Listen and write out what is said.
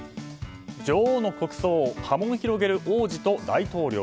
女王の国葬波紋広げる王子と大統領。